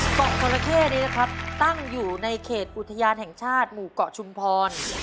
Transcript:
เกาะจราเข้นี้นะครับตั้งอยู่ในเขตอุทยานแห่งชาติหมู่เกาะชุมพร